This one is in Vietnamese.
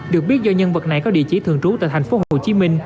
được biết do nhân vật này có địa chỉ thường trú tại tp hcm